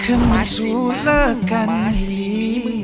เชื่อมมาซูเร้ากันนี่